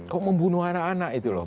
kok membunuh anak anak itu loh